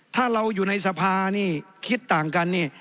ถ้าเราอยู่ในสภานี่คิดต่างกันนี่